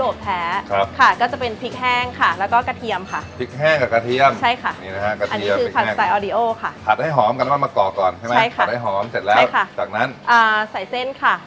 ใช่ค่ะไอ้หอมเสร็จแล้วใช่ค่ะจากนั้นอ่าใส่เส้นค่ะใส่เส้นเลย